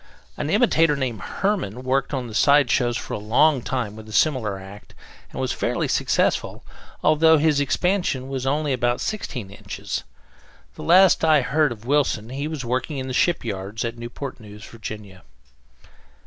An imitator, named Herman, worked the side shows for a long time with a similar act, and was fairly successful, although his expansion was only about sixteen inches. The last time I heard of Wilson, he was working in the shipyards at Newport News, Virginia.